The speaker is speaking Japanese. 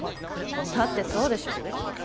だってそうでしょ？